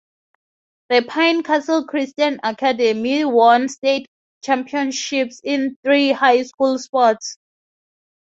The Pine Castle Christian Academy won state championships in three high school sports.